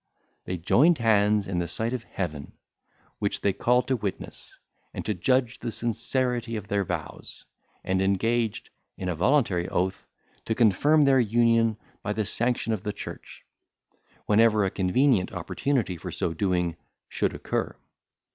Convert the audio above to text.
They joined hands in the sight of Heaven, which they called to witness, and to judge the sincerity of their vows, and engaged, in a voluntary oath, to confirm their union by the sanction of the church, whenever a convenient opportunity for so doing should occur.